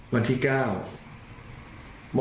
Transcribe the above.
วันที่๙มกราคมที่ผ่านมา